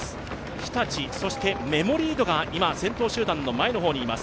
日立、そしてメモリードが今先頭集団の前の方にいます。